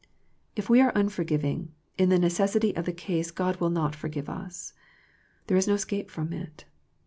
If we are unforgiv ing, in the necessity of the case God will not for give us. There is no escape from it.